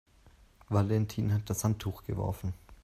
Valentin hat das Handtuch geworfen.